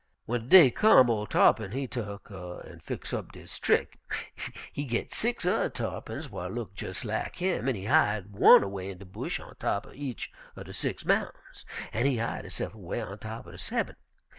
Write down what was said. "Wen de day come, ol' Tarr'pin he tuck an' fix up dis trick; he git six urr tarr'pins whar look jes' lak him, an' he hide one away in de bresh on top uv each er de six mountains, an' he hide hisse'f away on top er de sebent'.